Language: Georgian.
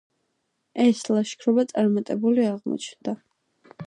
ეს ლაშქრობა წარმატებული აღმოჩნდა.